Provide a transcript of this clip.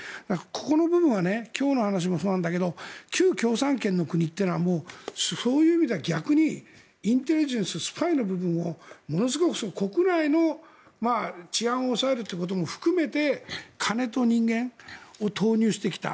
ここの部分は今日の話もそうなんだけど旧共産圏の国というのはそういう意味では逆にインテリジェンススパイの部分をものすごく、国内の治安を抑えるということも含めて金と人間を投入してきた。